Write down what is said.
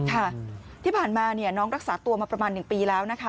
ค่ะที่ผ่านมาเนี่ยน้องรักษาตัวมาประมาณ๑ปีแล้วนะคะ